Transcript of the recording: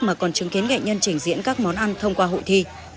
mà còn chứng kiến nghệ nhân trình diễn các món ăn thông qua hội thi